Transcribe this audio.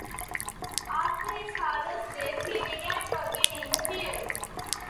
After his father's death he began working in the fields.